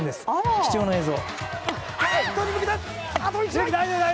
貴重な映像。